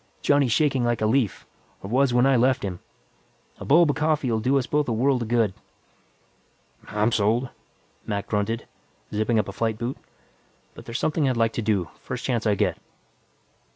Johnny's shaking like a leaf, or was when I left him. A bulb of coffee will do us both a world of good." "I'm sold," Mac grunted, zipping up a flight boot. "But there's something I'd like to do, first chance I get."